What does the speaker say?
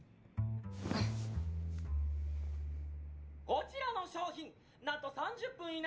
こちらの商品何と３０分以内。